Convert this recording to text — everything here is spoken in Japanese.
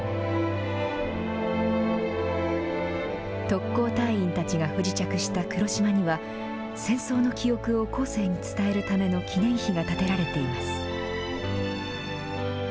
特攻隊員たちが不時着した黒島には、戦争の記憶を後世に伝えるための記念碑が建てられています。